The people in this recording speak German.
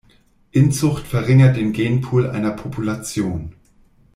Inzucht verringert den Genpool einer Population.